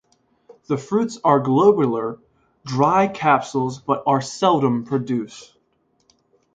The fruits are globular dry capsules but are seldom produced.